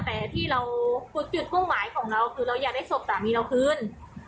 แต่ที่เราคือจุดมุ่งหมายของเราคือเราอยากได้ศพสามีเราคืน